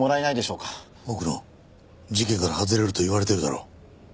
奥野事件から外れろと言われてるだろ。